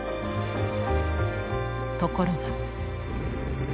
ところが。